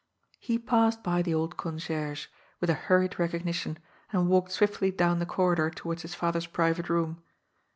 He passed by the old concierge, with a hurried recog nition, and walked swiftly down the corridor towards his father's private room.